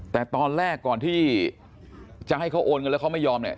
แต่ตอนแรกก่อนที่จะให้เขาโอนเงินแล้วเขาไม่ยอมเนี่ย